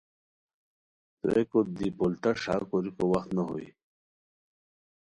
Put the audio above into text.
تھوویکوت دی پولتا ݰا کوریکو وخت نو ہوئے